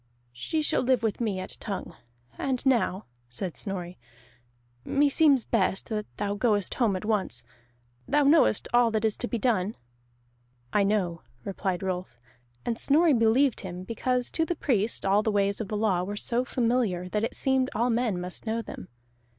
"She shall live with me at Tongue. And now," said Snorri, "meseems best that thou goest home at once. Thou knowest all that is to be done?" "I know," replied Rolf; and Snorri believed him, because to the Priest all the ways of the law were so familiar that it seemed all men must know them.